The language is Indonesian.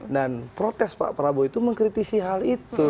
dan protes pak prabowo itu mengkritisi hal itu